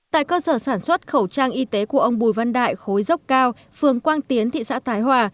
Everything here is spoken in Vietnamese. tại cơ sở sản xuất khẩu trang y tế của ông bùi văn đại khối dốc cao phường quang tiến thị xã thái hòa